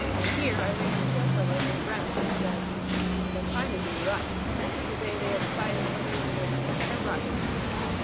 Here I ran into a fellow named Brennen, who said: "'They're trying to do you up. This is the day they are deciding whether you will be center rush or not.'